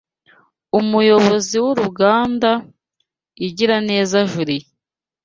Umuyobozi w’uru ruganda, Igiraneza Juliye